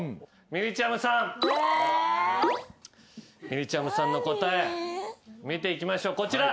みりちゃむさんの答え見ていきましょうこちら。